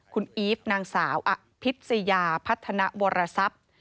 คุณอีฟนางสาวพิษยาพัฒนาวรสับ